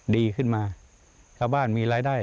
ดีขึ้นมาชาวบ้านมีรายได้